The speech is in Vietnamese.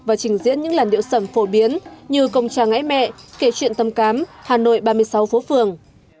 và trình diễn những làn điệu sầm phổ biến như công trà ngãi mẹ kể chuyện tâm cám hà nội ba mươi sáu phố phường